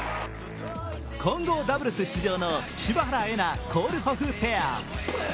混合ダブルス出場の柴原瑛菜・コールホフペア。